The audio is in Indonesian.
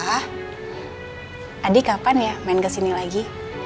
wah adi kapan ya main ke sini lagi